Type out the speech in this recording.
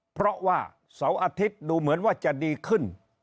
เพราะว่าเสาร์อาทิตย์ดูเหมือนว่าจะดีขึ้น